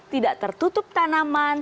tidak tertutup tanaman